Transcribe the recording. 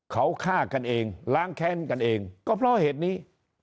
เขาฆ่ากันเองล้างแค้นกันเองก็เพราะเหตุนี้